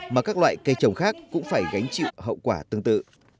mà các loại cây trồng khác cũng phải gánh chịu hậu quả tương tự